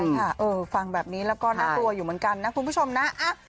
ใช่ค่ะฟังแบบนี้แล้วก็น่ากลัวอยู่เหมือนกันนะคุณผู้ชมนะ